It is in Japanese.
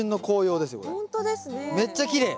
めっちゃきれい！